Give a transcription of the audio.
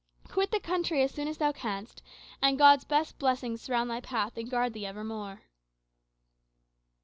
Quit the country as soon as thou canst; and God's best blessings surround thy path and guard thee evermore."